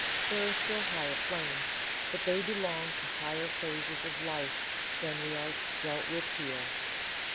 There are still higher planes, but they belong to higher phases of life than are dealt with here.